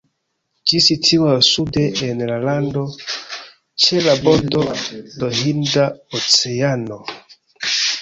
Ĝi situas sude en la lando, ĉe la bordo de Hinda Oceano.